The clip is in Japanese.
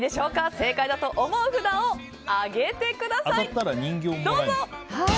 正解だと思う札を上げてください、どうぞ！